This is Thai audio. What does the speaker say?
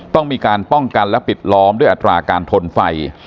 ต้องมีการป้องกันและปิดล้อมด้วยอัตราการทนไฟ